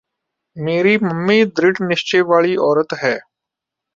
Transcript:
ਮੇਰੇ ਮੰਮੀ ਦ੍ਰਿੜ ਨਿਸ਼ਚੈ ਵਾਲੀ ਔਰਤ ਹੈ